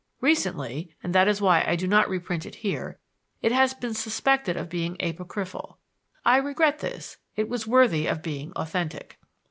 Recently (and that is why I do not reprint it here) it has been suspected of being apocryphal. I regret this it was worthy of being authentic.